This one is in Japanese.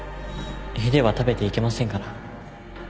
絵では食べていけませんから